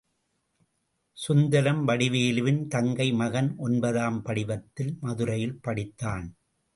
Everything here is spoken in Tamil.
சுந்தரம் வடிவேலுவின் தங்கை மகன் ஒன்பதாம் படிவத்தில் மதுரையில் படித்தான்.